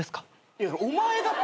いやお前だって。